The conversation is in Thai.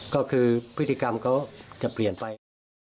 ก็คือพฤติกรรมเขาจะเปลี่ยนไป